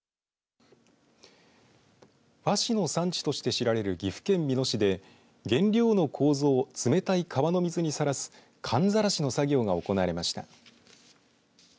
和紙の産地として知られる岐阜県美濃市で原料のこうぞを冷たい川の水にさらす寒ざらしの作業が行われました。